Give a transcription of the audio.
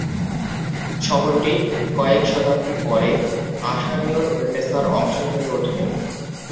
শহরটি কয়েক শতাব্দী পরে আশারিয় রেনেসাঁর অংশ হয়ে ওঠে।